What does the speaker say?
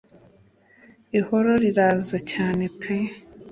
ihoro riraza cyane pe